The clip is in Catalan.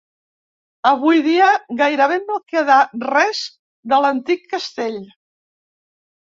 Avui dia gairebé no queda res de l'antic castell.